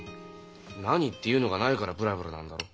「何」っていうのがないから「ブラブラ」なんだろ。